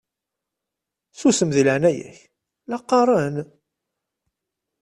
Susem deg leɛnaya-k la qqaṛen!